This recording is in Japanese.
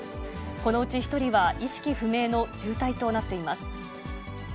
このうち１人は意識不明の重体となっています。